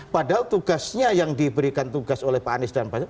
padahal tugasnya yang diberikan tugas oleh pak anies dan pak jokowi